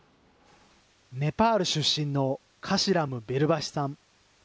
ネパール出身のカシラム・ベルバシさん。